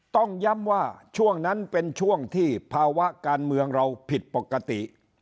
ต้องย้ำว่าช่วงนั้นเป็นช่วงที่ภาวะการเมืองเราผิดปกติ